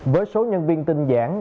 với số nhân viên tình hình